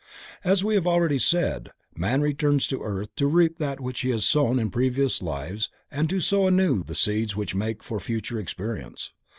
As we have already said, man returns to earth to reap that which he has sown in previous lives and to sow anew the seeds which make for future experience.